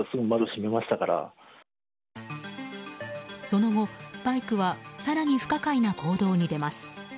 その後、バイクは更に不可解な行動に出ます。